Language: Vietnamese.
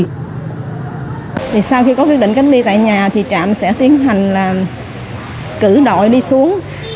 thì sau khi có quyết định cách ly tại nhà thì trạm sẽ tiến hành là cử đội đi xuống